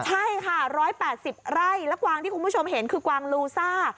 ใช่ค่ะ๑๘๐ไร่และกวางที่คุณผู้ชมเห็นคือกวางลูซ่า